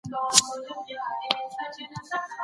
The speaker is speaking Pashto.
ایا تکړه پلورونکي کاغذي بادام پلوري؟